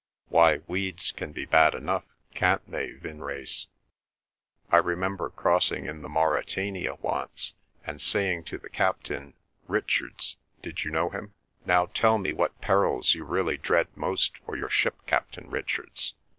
"Why, weeds can be bad enough, can't they, Vinrace? I remember crossing in the Mauretania once, and saying to the Captain—Richards—did you know him?—'Now tell me what perils you really dread most for your ship, Captain Richards?